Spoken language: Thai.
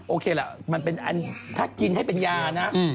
โอเคล่ะมันเป็นอันถ้ากินให้เป็นยานะ